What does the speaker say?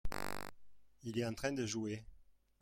il est en train de jouer.